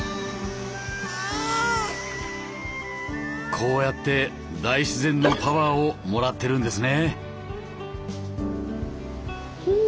こうやって大自然のパワーをもらってるんですね。